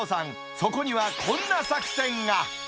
そこにはこんな作戦が。